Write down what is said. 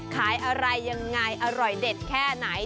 ขายอะไรยังไงอร่อยเด็ดแค่ไหน